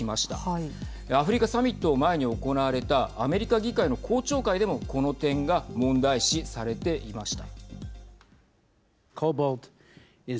アフリカサミットを前に行われたアメリカ議会の公聴会でもこの点が問題視されていました。